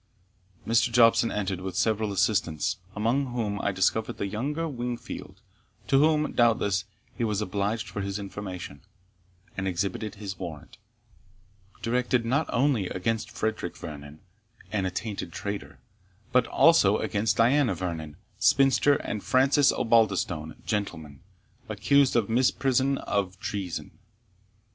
Mr. Jobson entered, with several assistants, among whom I discovered the younger Wingfield, to whom, doubtless, he was obliged for his information, and exhibited his warrant, directed not only against Frederick Vernon, an attainted traitor, but also against Diana Vernon, spinster, and Francis Osbaldistone, gentleman, accused of misprision of treason.